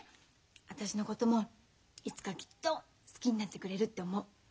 私のこともいつかきっと好きになってくれるって思う。